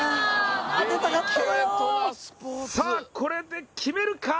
これで決めるか。